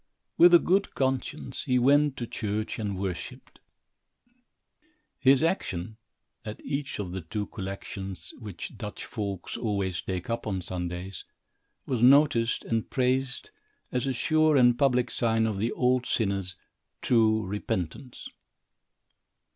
With a good conscience, he went to church and worshipped. His action, at each of the two collections, which Dutch folks always take up on Sundays, was noticed and praised as a sure and public sign of the old sinner's true repentance.